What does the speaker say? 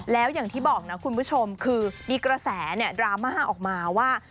แล้วอย่างที่บอกนะคุณผู้ชมคือมีกระแสดราม่าออกมาว่า